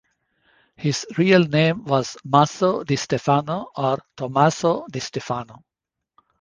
His real name was Maso di Stefano or Tommaso di Stefano.